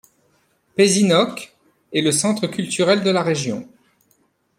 Pezinok est le centre culturel de la région.